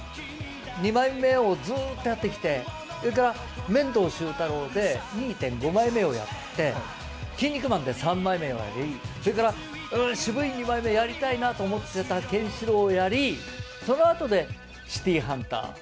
二枚目をずっとやってきて、それから面堂終太郎で２．５枚目をやって、キン肉マンで三枚目をやり、それから渋い二枚目やりたいなと思っていたら、ケンシロウをやり、そのあとでシティーハンター。